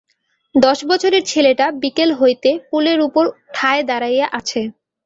দশবছরের ছেলেটা বিকাল হইতে পুলের উপর ঠায় দাড়াইয়া আছে।